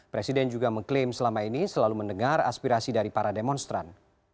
presiden juga mengklaim selama ini selalu mendengar aspirasi dari para demonstran